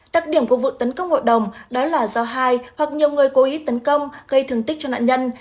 đặc điểm của vụ tấn công hội đồng đó là do hai hoặc nhiều người cố ý tấn công gây thương tích cho nạn nhân